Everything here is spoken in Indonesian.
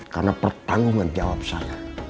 karena pertanggungan jawab saya